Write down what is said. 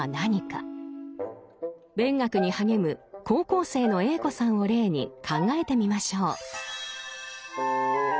勉学に励む高校生のＡ子さんを例に考えてみましょう。